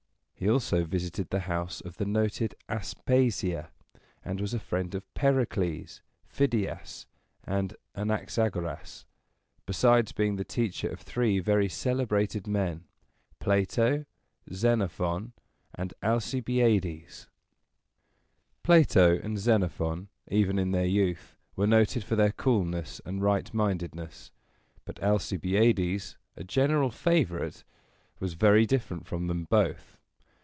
He also visited the house of the noted Aspasia, and was a friend of Pericles, Phidias, and Anaxagoras, besides being the teacher of three very celebrated men, Pla´to, Xen´o phon, and Al ci bi´a des. [Illustration: Alcibiades dared the Driver to come on.] Plato and Xenophon, even in their youth, were noted for their coolness and right mindedness; but Alcibiades, a general favorite, was very different from them both.